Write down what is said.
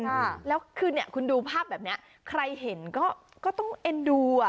ค่ะแล้วคือเนี้ยคุณดูภาพแบบเนี้ยใครเห็นก็ก็ต้องเอ็นดูอ่ะ